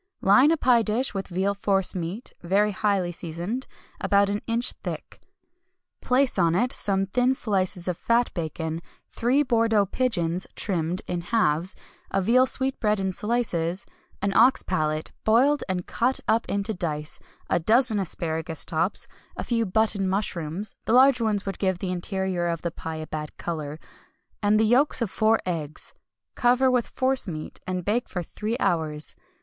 Line a pie dish with veal force meat, very highly seasoned, about an inch thick. Place on it some thin slices of fat bacon, three Bordeaux pigeons (trimmed) in halves, a veal sweetbread in slices, an ox palate, boiled and cut up into dice, a dozen asparagus tops, a few button mushrooms (the large ones would give the interior of the pie a bad colour) and the yolks of four eggs. Cover with force meat, and bake for three hours.